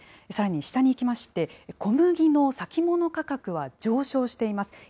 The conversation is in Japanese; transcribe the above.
さらに下にいきまして、小麦の先物価格は上昇しています。